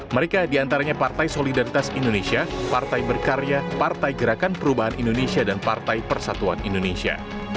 mereka diantaranya partai solidaritas indonesia partai berkarya partai gerakan perubahan indonesia dan partai persatuan indonesia